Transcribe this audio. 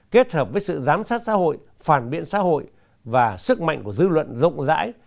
kết hợp với sự giám sát xã hội phản biện xã hội và sức mạnh của dư luận rộng rãi